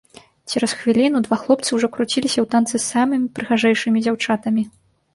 Цераз хвіліну два хлопцы ўжо круціліся ў танцы з самымі прыгажэйшымі дзяўчатамі.